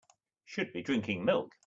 Should be drinking milk.